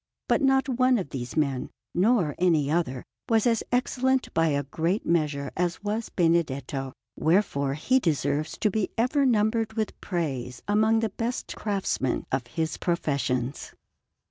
But not one of these men, nor any other, was as excellent by a great measure as was Benedetto; wherefore he deserves to be ever numbered with praise among the best craftsmen of his professions.